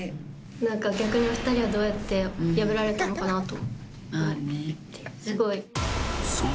お２人はどうやって破られたのかなと。